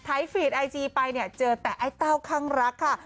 ฟีดไอจีไปเนี่ยเจอแต่ไอ้เต้าข้างรักค่ะ